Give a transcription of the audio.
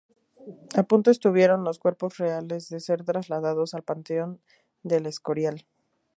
A punto estuvieron los cuerpos reales de ser trasladados al panteón de El Escorial.